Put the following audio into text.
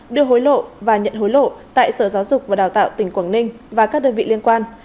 đưa hối lộ và nhận hối lộ tại sở giáo dục và đào tạo tỉnh quảng ninh và các đơn vị liên quan